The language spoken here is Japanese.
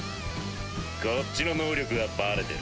こっちの能力はバレてる。